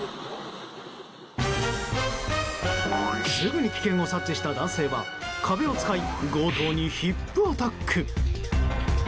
すぐに危険を察知した男性は壁を使い強盗にヒップアタック。